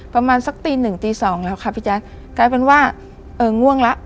ประมาณสักตีหนึ่งตีสองแล้วค่ะพี่แจ๊คกลายเป็นว่าเออง่วงแล้ว